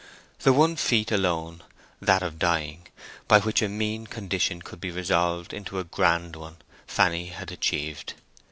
The one feat alone—that of dying—by which a mean condition could be resolved into a grand one, Fanny had achieved.